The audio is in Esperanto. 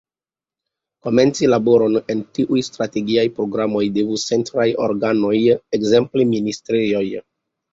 Komenci laboron en tiuj strategiaj programoj devus centraj organoj, ekzemple ministrejoj.